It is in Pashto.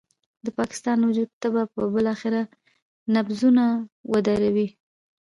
د پاکستان د وجود تبه به بالاخره نبضونه ودروي.